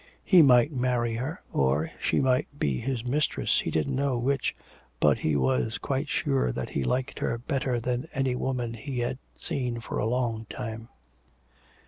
He might marry her, or she might be his mistress, he didn't know which, but he was quite sure that he liked her better than any woman he had seen for a long time.